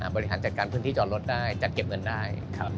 บริหารจัดการพื้นที่จอดรถได้จัดเก็บเงินได้